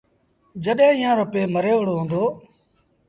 جڏهيݩ ايٚئآن رو پي مري وُهڙو هُݩدو۔